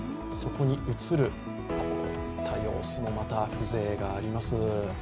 こういった様子も、また風情があります。